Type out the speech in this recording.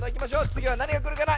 つぎはなにがくるかな？